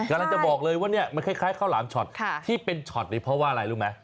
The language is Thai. กำลังจะบอกเลยว่าเนี่ยมันคล้ายข้าวหลามช็อตที่เป็นช็อตนี้เพราะว่าอะไรรู้ไหม